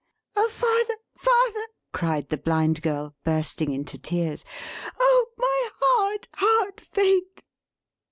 "Oh father, father!" cried the Blind Girl, bursting into tears. "Oh my hard, hard Fate!"